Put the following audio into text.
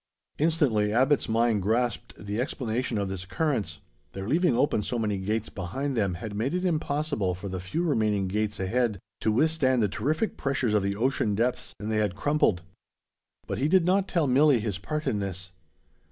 Instantly Abbott's mind grasped the explanation of this occurrence: their leaving open so many gates behind them had made it impossible for the few remaining gates ahead to withstand the terrific pressures of the ocean depths, and they had crumpled. But he did not tell Milli his part in this.